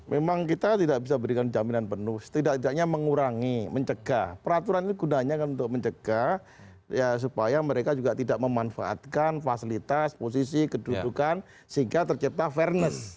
memang kita tidak bisa berikan jaminan penuh setidaknya mengurangi mencegah peraturan ini gunanya untuk mencegah supaya mereka juga tidak memanfaatkan fasilitas posisi kedudukan sehingga tercipta fairness